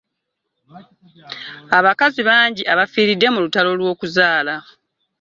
Abakazi bangi abafiride mu lutalo lw'okuzaala.